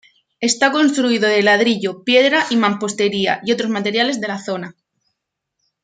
Está construido de ladrillo, piedra y mampostería y otros materiales de la zona.